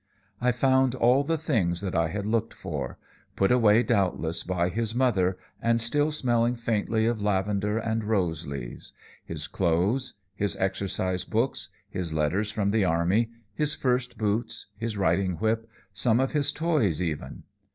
I found all the things that I had looked for; put away, doubtless, by his mother, and still smelling faintly of lavender and rose leaves; his clothes, his exercise books, his letters from the army, his first boots, his riding whip, some of his toys, even.